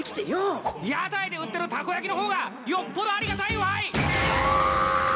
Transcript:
屋台で売ってるたこ焼きの方がよっぽどありがたいわい！